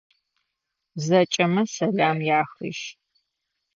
Зэкӏэмэ сэлам яхыжь.